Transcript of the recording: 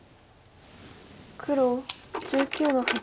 黒１９の八。